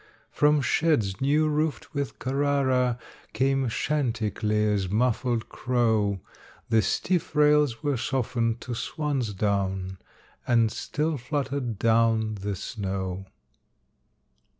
From sheds new roofed with Carrara Came Chanticleer's muffled crow, The stiff rails were softened to swan's down, And still fluttered down the snow.